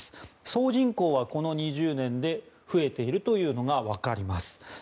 総人口はこの２０年で増えているというのがわかります。